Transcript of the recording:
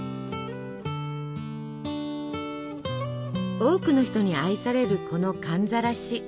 多くの人に愛されるこの寒ざらし。